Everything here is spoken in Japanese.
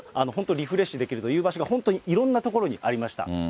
リフレッシュできるという場所が本当にいろんな所にありまし